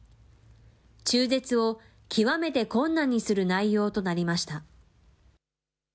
中絶を極めて困難にする内容となりました。